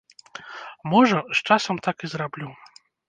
Можа, з часам так і зраблю.